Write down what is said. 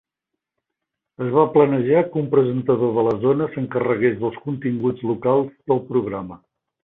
Es va planejar que un presentador de la zona s'encarregués dels continguts locals del programa.